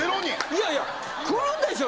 いやいや来るでしょ？